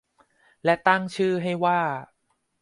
และตั้งชื่อให้ว่า